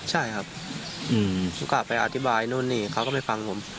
ใช่ครับโอกาสไปอธิบายนู่นนี่เขาก็ไปฟังผม